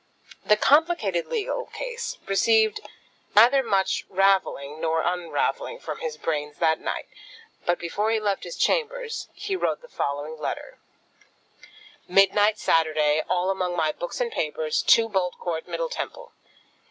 The complicated legal case received neither much ravelling nor unravelling from his brains that night; but before he left his chambers he wrote the following letter: Midnight, Saturday, All among my books and papers, 2, Bolt Court, Middle Temple.